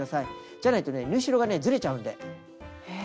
じゃないとね縫い代がねずれちゃうんで。